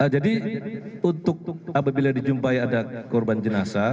jadi untuk apabila dijumpai ada korban jenasa